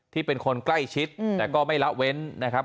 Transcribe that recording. เป็นคนใกล้ชิดแต่ก็ไม่ละเว้นนะครับ